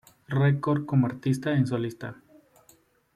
Records como artista en solista.